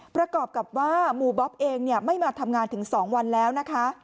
ประกอบกับว่าหมู่บ๊อบเองไม่มาทำงานถึง๒วันแล้วนะคะ